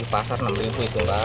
pasar rp enam itu mbak